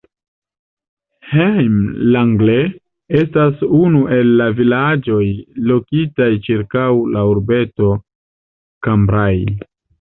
Hem-Lenglet estas unu el la vilaĝoj lokitaj ĉirkaŭ la urbeto Cambrai.